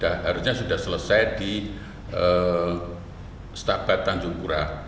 harusnya sudah selesai di stabat tanjung pura